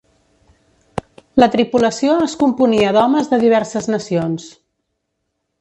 La tripulació es componia d'homes de diverses nacions.